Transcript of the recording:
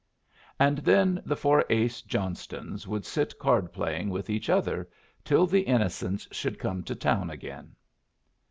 And then the Four ace Johnstons would sit card playing with each other till the innocents should come to town again.